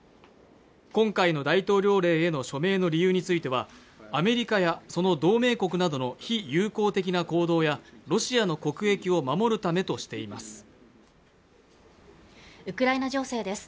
今回の大統領令への署名の理由についてはアメリカやその同盟国などの非友好的な行動やロシアの国益を守るためとしています